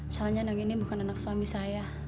soalnya anak ini bukan anak suami saya